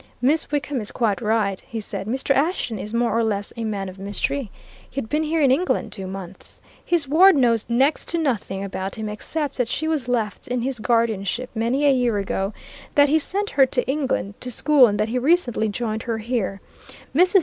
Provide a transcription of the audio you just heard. "Miss Wickham is quite right," he said. "Mr. Ashton is more or less a man of mystery. He had been here in England two months. His ward knows next to nothing about him, except that she was left in his guardianship many a year ago, that he sent her to England, to school, and that he recently joined her here. Mrs.